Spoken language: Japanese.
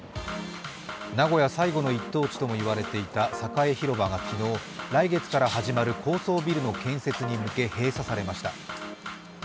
名古屋最後の一等地ともいわれていた栄広場が昨日、来月から始まる高層ビルの建設に向け、閉鎖されました。